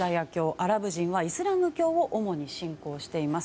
アラブ人はイスラム教を主に信仰しています。